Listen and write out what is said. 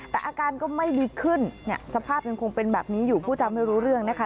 แต่อาการก็ไม่ดีขึ้นเนี่ยสภาพยังคงเป็นแบบนี้อยู่ผู้จำไม่รู้เรื่องนะคะ